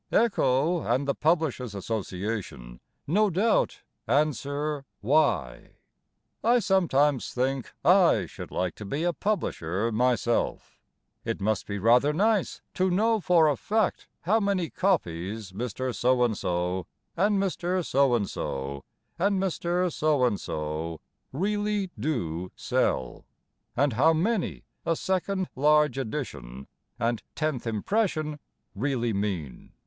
Echo and the Publishers' Association No doubt answer "Why?" I sometimes think I should like to be a publisher myself. It must be rather nice To know for a fact How many copies Mr. So and so, and Mr. So and so, and Mr. So and so Really do sell, And how many "A second large edition" And "Tenth impression" Really mean.